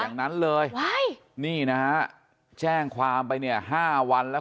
อย่างนั้นเลยว้ายนี่นะฮะแจ้งความไปเนี่ยห้าวันแล้ว